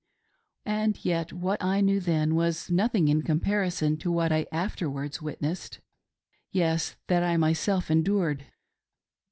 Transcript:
And yet what I knew then was nothing in comparison to what I afterwards witnessed — yes, that I myself endured.